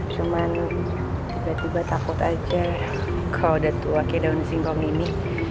cuma tiba tiba takut aja kalau udah tua kayak daun singkong ini